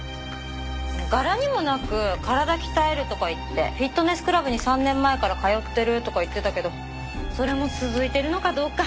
柄にもなく体鍛えるとか言ってフィットネスクラブに３年前から通ってるとか言ってたけどそれも続いてるのかどうか。